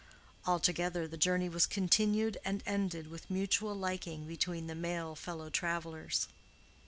Altogether, the journey was continued and ended with mutual liking between the male fellow travellers.